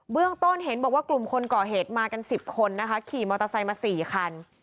เรื่องต้นเห็นบอกว่ากลุ่มคนก่อเหตุมากัน๑๐คนนะคะขี่มอเตอร์ไซค์มา๔คัน